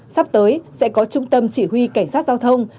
sắp tới sẽ có trung tâm chỉ huy cảnh sát giao thông